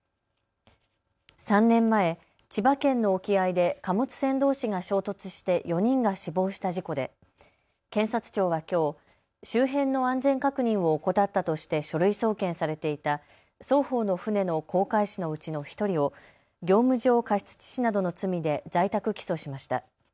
３年前、千葉県の沖合で貨物船どうしが衝突して４人が死亡した事故で検察庁はきょう、周辺の安全確認を怠ったとして書類送検されていた双方の船の航海士のうちの１人を業務上過失致死などの罪で在宅起訴しました。